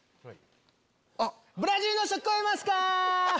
ブラジルの人聞こえますか？